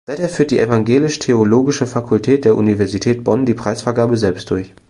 Seither führt die Evangelisch-Theologische Fakultät der Universität Bonn die Preisvergabe selbst durch.